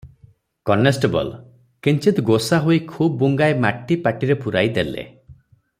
Constable - କିଞ୍ଚିତ୍ ଗୋସା ହୋଇ ଖୁବ୍ ବୁଙ୍ଗାଏ ମାଟି ପାଟିରେ ପୂରାଇ ଦେଲେ ।